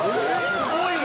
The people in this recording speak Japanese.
「すごいわ！」